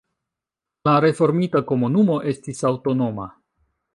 La reformita komunumo estis aŭtonoma.